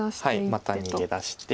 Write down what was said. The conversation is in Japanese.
また逃げ出して。